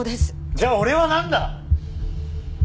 じゃあ俺はなんだ！？